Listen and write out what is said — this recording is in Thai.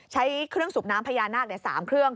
ใช้เครื่องสูบน้ำพญานาค๓เครื่อง